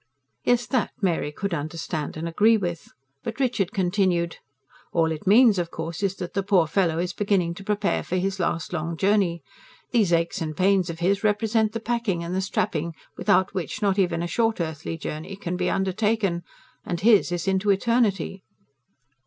Yes, that, Mary could understand and agree with. But Richard continued: "All it means, of course, is that the poor fellow is beginning to prepare for his last long journey. These aches and pains of his represent the packing and the strapping without which not even a short earthly journey can be undertaken. And his is into eternity."